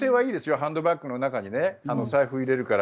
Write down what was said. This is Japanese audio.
ハンドバッグの中に財布を入れるから。